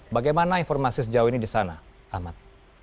bagaimana informasi sejauh ini di sana ahmad